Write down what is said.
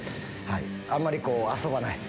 あんまり遊ばない。